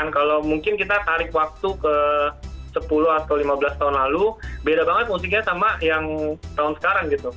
kalau mungkin kita tarik waktu ke sepuluh atau lima belas tahun lalu beda banget musiknya sama yang tahun sekarang gitu